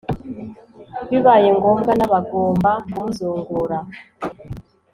Bibaye ngombwa n abagomba kumuzungura